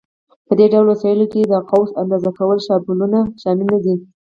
په دې ډله وسایلو کې د قوس اندازه کولو شابلونونه شامل نه دي.